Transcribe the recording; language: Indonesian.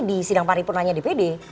di sidang paripurna dpd